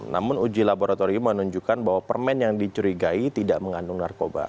namun uji laboratorium menunjukkan bahwa permen yang dicurigai tidak mengandung narkoba